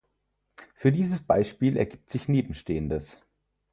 Für dieses Beispiel ergibt sich nebenstehendes.